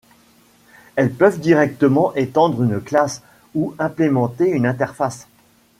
Elles peuvent directement étendre une classe ou implémenter une interface.